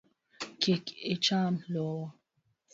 Kik icham lowo.